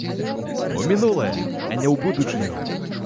У мінулае, а не ў будучыню.